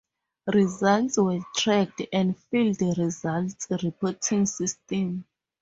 Results were track and field results reporting system.